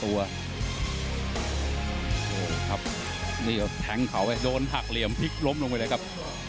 ครับนี่ก็แทงเขาไปโดนหักเหลี่ยมพลิกล้มลงไปเลยครับ